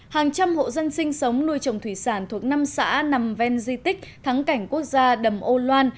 hàng trăm hộ dân sinh sống nuôi trồng thủy sản thuộc năm xã nằm ven di tích thắng cảnh quốc gia đầm âu loan